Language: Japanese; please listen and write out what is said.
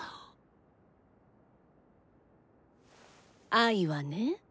「愛」はね